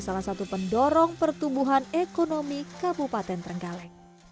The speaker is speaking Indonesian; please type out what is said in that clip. salah satu pendorong pertumbuhan ekonomi kabupaten trenggalek